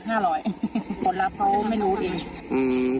๕๐๐บาทผลลัพธ์เขาไม่รู้อีก